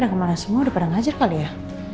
udah sampe kemana semua udah pada ngajar kali ya